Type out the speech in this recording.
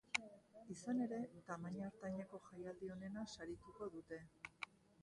Izan ere, tamaina ertaineko jaialdi onena sarituko dute.